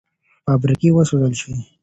فابریکې وسوځول شوې.